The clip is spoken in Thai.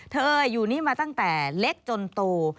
อยู่นี่มาตั้งแต่เล็กจนโต